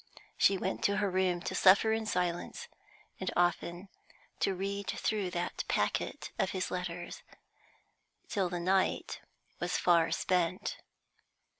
She went to her room to suffer in silence, and often to read through that packet of his letters, till the night was far spent.